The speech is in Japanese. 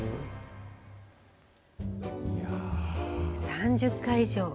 ３０回以上。